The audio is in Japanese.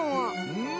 うん。